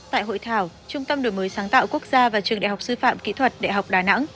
tại hội thảo trung tâm đổi mới sáng tạo quốc gia và trường đại học sư phạm kỹ thuật đại học đà nẵng